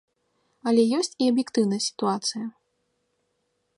Але ёсць і аб'ектыўная сітуацыя.